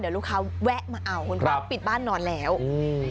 เดี๋ยวลูกค้าแวะมาเอาคุณป้าปิดบ้านนอนแล้วอืม